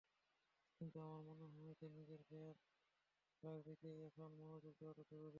কিন্তু আমার মনে হয়েছে, নিজের খেলার দিকেই এখন মনোযোগ দেওয়াটা জরুরি।